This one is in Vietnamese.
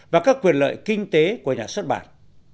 và các quyền lợi kinh tế của nhà xuất bản